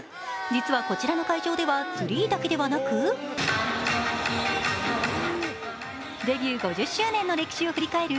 実はこちらの会場ではツリーだけではなく、デビュー５０周年の歴史を振り返る